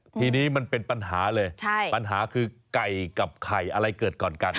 ทีนี้มันเป็นปัญหาเลยปัญหาคือไก่กับไข่อะไรเกิดก่อนกัน